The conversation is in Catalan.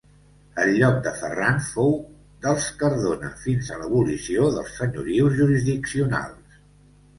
El lloc de Ferran fou dels Cardona fins a l'abolició dels senyorius jurisdiccionals.